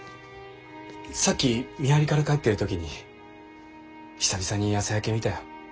さっき見張りから帰ってる時に久々に朝焼け見たよ。